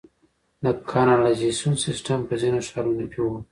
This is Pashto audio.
د کانالیزاسیون سیستم په ځینو ښارونو کې و